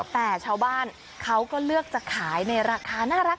แต่ชาวบ้านเขาก็เลือกจะขายในราคาน่ารัก